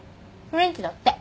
フレンチだって。